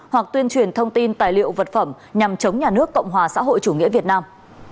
hoặc tuyên truyền thông tin tài liệu vật phẩm nhằm chống nhà nước cộng hòa xã hội chủ nghĩa việt nam